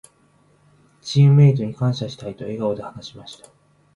「チームメイトに感謝したい」と笑顔で話しました。